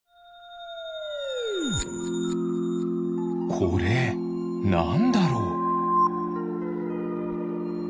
これなんだろう。